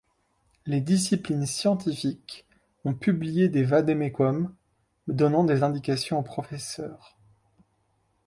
Les disciplines scientifiques ont publié des vademecums donnant des indications aux professeurs.